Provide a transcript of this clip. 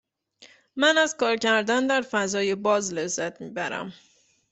من از کار کردن در فضای باز لذت می برم.